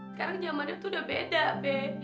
sekarang zamannya tuh udah beda be